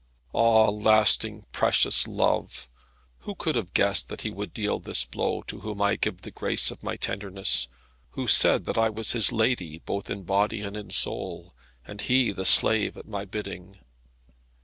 Ah, lasting, precious love! Who could have guessed that he would deal this blow, to whom I gave the grace of my tenderness who said that I was his lady both in body and in soul, and he the slave at my bidding.